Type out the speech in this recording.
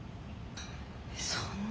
そんな。